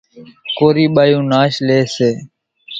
ڪورِي ٻايوُن ناش ليئيَ سي۔